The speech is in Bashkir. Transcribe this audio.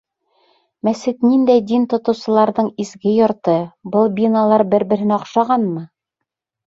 Мәсет ниндәй дин тотоусыларҙың изге йорто, был биналар бер-береһенә оҡшағанмы?